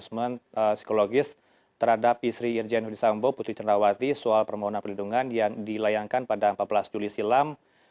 proses penerimaan psikologis terhadap istri irjian hudi sambo putri cenrawati soal permohonan perlindungan yang dilayangkan pada empat belas juli silam